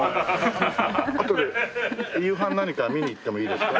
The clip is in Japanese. あとで夕飯何か見に行ってもいいですか？